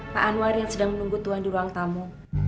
pak anwar yang sedang menunggu tuhan di ruang tamu